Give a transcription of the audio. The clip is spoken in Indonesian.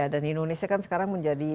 dan indonesia kan sekarang menjadi